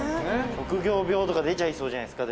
職業病とか出ちゃいそうじゃないですか？